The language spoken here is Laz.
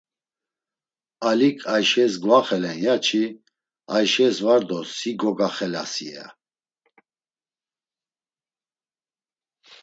Alik Ayşes gvaxelen ya-çi, Ayşes var do si gogaxelasi, ya.